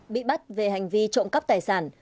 bị bắt về hành vi trộm cắp tài sản